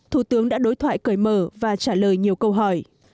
thủ tướng đã đối thoại cởi mở và trả lời nhiều câu hỏi